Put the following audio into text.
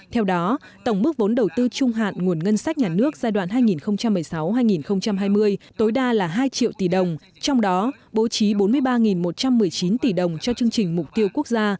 theo đó tổng mức vốn đầu tư trung hạn nguồn ngân sách nhà nước giai đoạn hai nghìn một mươi sáu hai nghìn hai mươi tối đa là hai triệu tỷ đồng trong đó bố trí bốn mươi ba một trăm một mươi chín tỷ đồng cho chương trình mục tiêu quốc gia